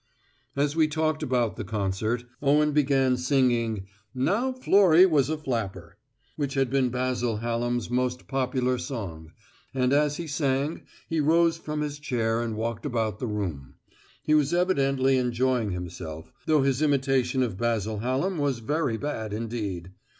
As we talked about the concert, Owen began singing "Now Florrie was a Flapper," which had been Basil Hallam's most popular song, and as he sang he rose from his chair and walked about the room; he was evidently enjoying himself, though his imitation of Basil Hallam was very bad indeed.